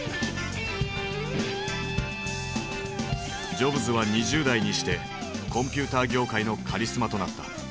ジョブズは２０代にしてコンピューター業界のカリスマとなった。